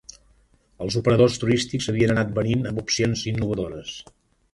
Els operadors turístics havien anat venint amb opcions innovadores.